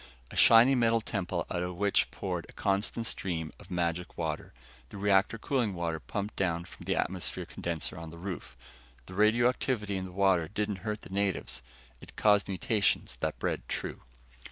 A shiny metal temple out of which poured a constant stream of magic water the reactor cooling water pumped down from the atmosphere condenser on the roof. The radioactivity in the water didn't hurt the natives. It caused mutations that bred true.